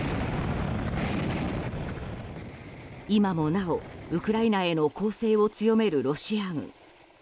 今もなお、ウクライナへの攻勢を強めるロシア軍。